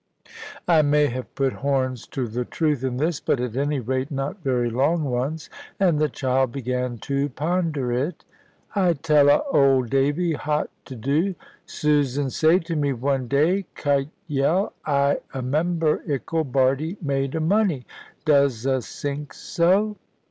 I may have put horns to the truth in this. But at any rate not very long ones. And the child began to ponder it. "I tell 'a, old Davy, 'hot to do. Susan say to me one day, kite yell, I amember, ickle Bardie made of money! Does 'a sink so?"